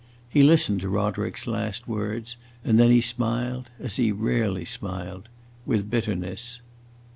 He listened to Roderick's last words, and then he smiled as he rarely smiled with bitterness.